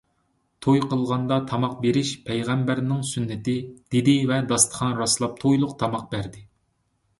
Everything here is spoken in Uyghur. — توي قىلغاندا تاماق بېرىش پەيغەمبەرنىڭ سۈننىتى، — دېدى ۋە داستىخان راسلاپ تويلۇق تاماق بەردى.